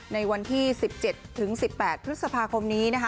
ในวันที่๑๗๑๘พฤษภาคมนี้นะคะ